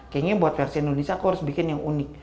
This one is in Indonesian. kayaknya buat versi indonesia aku harus bikin yang unik